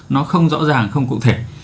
nó không rõ ràng không cụ thể